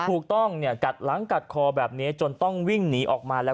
ถูกต้องหลังกัดคอแบบนี้จนต้องวิ่งหนีออกมา